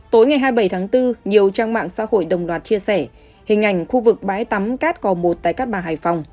tối ngày hai mươi bảy tháng bốn nhiều trang mạng xã hội đồng loạt chia sẻ hình ảnh khu vực bãi tắm cát cò một tại cát bà hải phòng